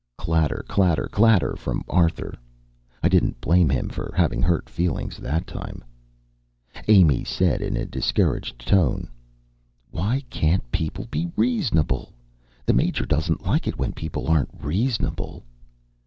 Clatter clatter clatter from Arthur. I didn't blame him for having hurt feelings that time. Amy said in a discouraged tone: "Why can't people be reasonable? The Major doesn't like it when people aren't reasonable."